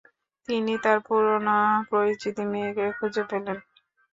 তিনি তার পুরনো, পরিচিত মেয়েকে খুঁজে পেলেন।